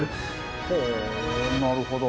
ほうなるほど。